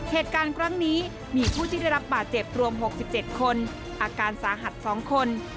เหตุการณ์ครั้งนี้มีผู้ที่ได้รับบาดเจ็บรวม๖๗คนอาการสาหัส๒คน